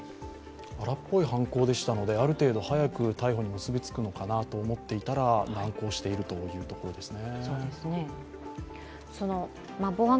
荒っぽい犯行でしたので、ある程度早く逮捕に結びつくのかなと思っていたら難航しているということですね。